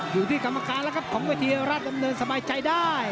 อยู่ที่กรรมการแล้วครับของเวทีราชดำเนินสบายใจได้